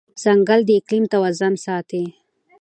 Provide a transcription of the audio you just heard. ځنګل د اقلیم توازن ساتي.